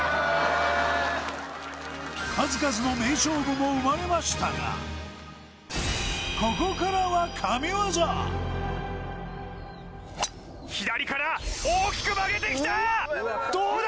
数々の名勝負も生まれましたがここからは神業左から大きく曲げてきたどうだ？